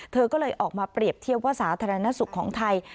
เธอก็เลยออกมาเปรียบเทียบว่าสาธารณสุขของไทย